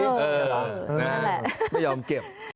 นั่นแหละไม่ยอมเก็บ